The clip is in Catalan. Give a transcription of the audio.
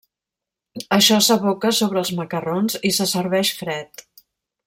Això s’aboca sobre els macarrons i se serveix fred.